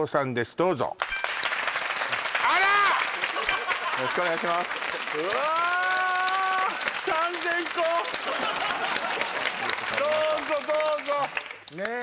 どうぞどうぞねえ